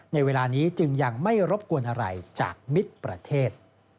ในเวลานี้จึงยังไม่รบกวนอะไรจากมิตรประเทศ